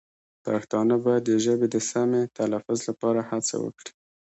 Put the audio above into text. پښتانه باید د ژبې د سمې تلفظ لپاره هڅه وکړي.